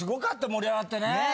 盛り上がってね。